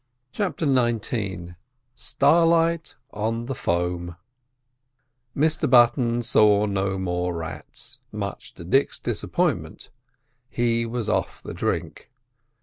CHAPTER XIX STARLIGHT ON THE FOAM Mr Button saw no more rats, much to Dick's disappointment. He was off the drink.